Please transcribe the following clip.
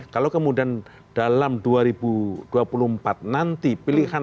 kalau kemudian dalam dua ribu dua puluh empat nanti pilihan